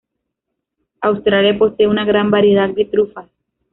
Australia posee una gran variedad de trufas.